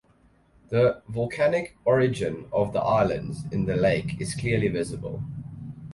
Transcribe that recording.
The volcanic origin of the islands in the lake is clearly visible.